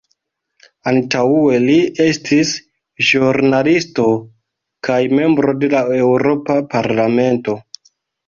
Antaŭe li estis ĵurnalisto kaj membro de la Eŭropa Parlamento.